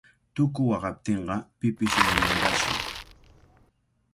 Tuku waqaptinqa pipish wañunqashi.